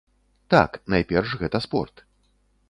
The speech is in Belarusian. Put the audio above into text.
Так, найперш гэта спорт.